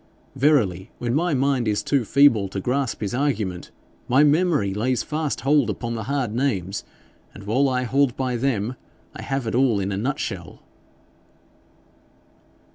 Verily, when my mind is too feeble to grasp his argument, my memory lays fast hold upon the hard names, and while I hold by them, I have it all in a nutshell.'